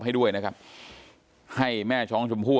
แม่น้องชมพู่แม่น้องชมพู่